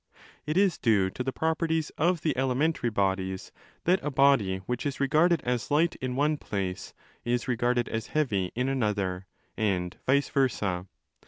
It is due to the properties of the elementary bodies that a body which is regarded as light in one place is regarded as heavy in another, and vice versa.